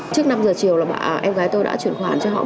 trước năm giờ chiều là bạn em gái tôi đã chuyển khoản cho họ